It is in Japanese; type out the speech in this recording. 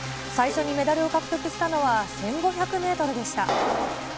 最初にメダルを獲得したのは１５００メートルでした。